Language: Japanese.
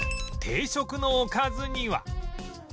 定食のおかずには